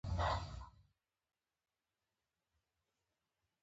افغانستان په واوره باندې پوره او مستقیمه تکیه لري.